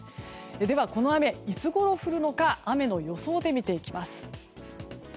では、この雨いつごろ降るのか雨の予想で見ていきます。